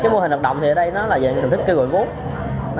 mô hình hoạt động ở đây là về hình thức kêu gọi vốn